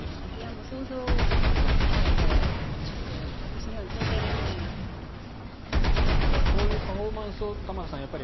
もう想像を絶する世界でちょっと私には到底できないなと思います。